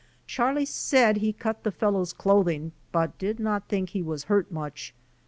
Charlie said he cut the fellow's clothing but did not think he was hurt much.